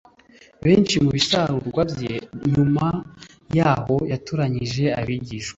benshi mu bisarurwa bye nyuma yaho yatoranyije abigishwa